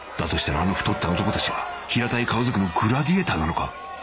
あの太った男たちは平たい顔族のグラディエイターなのか？